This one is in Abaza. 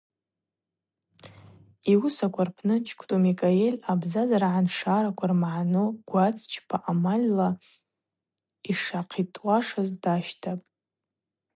Йуысаква рпны Чквтӏу Микаэль абзазара гӏаншараква рмагӏны гвацчпа амальла йшгӏахъитӏуаш дащтапӏ.